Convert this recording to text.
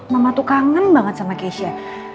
mama tuh kangen banget sama keisha